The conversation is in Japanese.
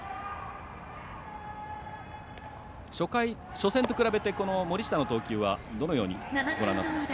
初戦と比べて森下の投球はどのようにご覧になっていますか。